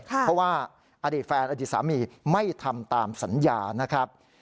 เพราะว่าอดีตแฟนอดีตสามีไม่ทำตามสัญญานะครับ